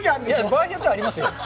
場合によってはありますよ